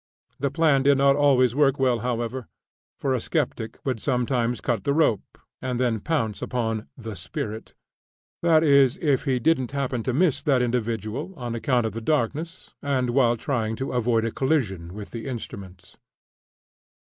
The plan did not always work well, however; for a skeptic would sometimes cut the rope, and then pounce upon "the spirit" that is, if he didn't happen to miss that individual, on account of the darkness and while trying to avoid a collision with the instruments.